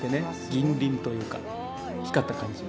銀鱗というか光った感じ。